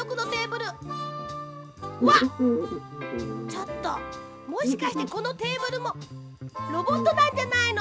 ちょっともしかしてこのテーブルもロボットなんじゃないの！？